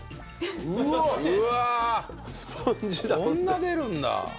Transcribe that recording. こんな出るんだ。